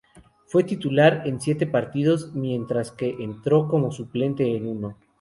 Fue titular en siete partidos mientras que entró como suplente en uno.